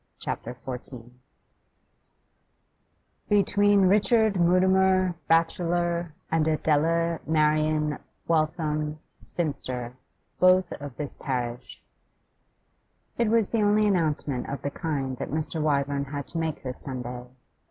CHAPTER XIV 'Between Richard Mutimer, bachelor, and Adela Marian Waitham, spinster, both of this parish' It was the only announcement of the kind that Mr. Wyvern had to make this Sunday.